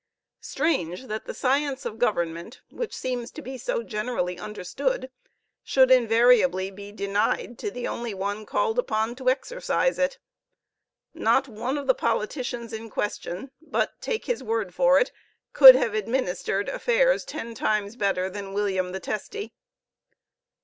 Strange! that the science of government, which seems to be so generally understood, should invariably be denied to the only one called upon to exercise it. Not one of the politicians in question, but, take his word for it, could have administered affairs ten times better than William the Testy.